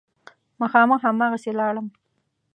مخامخ هماغسې لاړم.